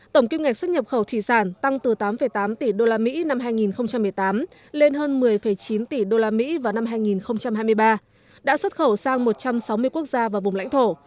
tổng kim ngạch xuất nhập khẩu thủy sản tăng từ tám tám tỷ usd năm hai nghìn một mươi tám lên hơn một mươi chín tỷ usd vào năm hai nghìn hai mươi ba đã xuất khẩu sang một trăm sáu mươi quốc gia và vùng lãnh thổ